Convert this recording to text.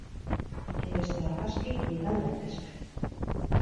Nahi beste argazki bidal daitezke.